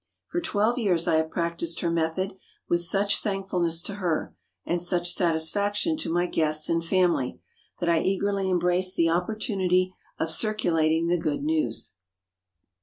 For twelve years I have practised her method, with such thankfulness to her, and such satisfaction to my guests and family, that I eagerly embrace the opportunity of circulating the good news.